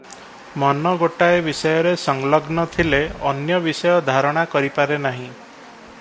ମନ ଗୋଟାଏ ବିଷୟରେ ସଂଲଗ୍ନ ଥିଲେ ଅନ୍ୟ ବିଷୟ ଧାରଣା କରିପାରେ ନାହିଁ ।